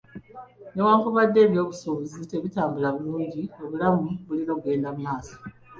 Newankubadde ebyobusuubuzi tebitambula bulungi, obulamu bulina okugenda mu maaso.